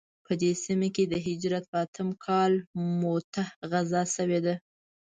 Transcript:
په دې سیمه کې د هجرت په اتم کال موته غزا شوې ده.